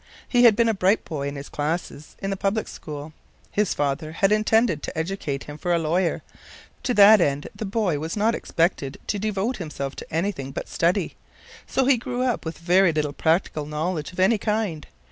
He had been a bright boy in his classes in the public school. His father had intended to educate him for a lawyer; to that end the boy was not expected to devote himself to anything but study, so he grew up with very little practical knowledge of any kind.